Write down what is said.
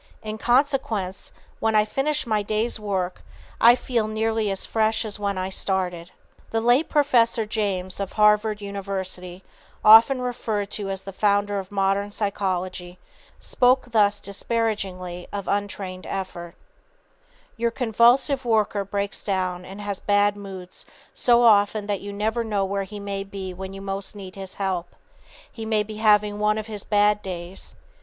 In consequence, when I finish my day's work, I feel nearly as fresh as when I started." [Sidenote: Why a Man Breaks Down] The late Professor James, of Harvard University, often referred to as the founder of modern psychology, spoke thus disparagingly of untrained effort: "Your convulsive worker breaks down and has bad moods so often that you never know where he may be when you most need his help, he may be having one of his 'bad days.'